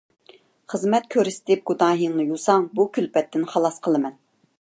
خىزمەت كۆرسىتىپ گۇناھىڭنى يۇساڭ، بۇ كۈلپەتتىن خالاس قىلىمەن.